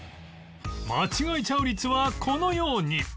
間違えちゃう率はこのように